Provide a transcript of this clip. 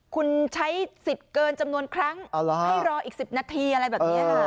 คุณใช้สิทธิ์เกินจำนวนครั้งให้รออีก๑๐นาทีอะไรแบบนี้ค่ะ